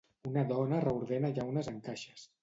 Una dona reordena llaunes en caixes.